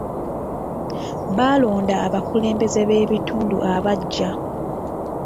Baalonda abakulembeze b'ebitundu abaggya.